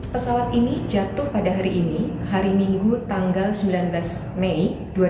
pesawat ini jatuh pada hari ini hari minggu tanggal sembilan belas mei dua ribu dua puluh